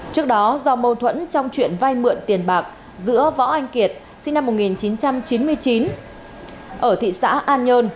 trước đó do mâu thuẫn trong chuyện vay mượn tiền bạc giữa võ anh kiệt sinh năm một nghìn chín trăm chín mươi chín ở thị xã an nhơn